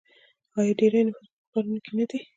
آیا ډیری نفوس یې په ښارونو کې نه دی؟